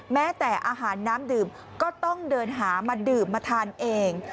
แม้แต่อาหารน้ำดื่มก็ต้องเดินหามาดื่มมาทานเอง